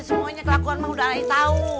semuanya kelakuan mak udah nangis tahu